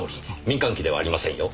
民間機ではありませんよ。